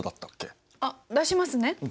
あっ出しますね。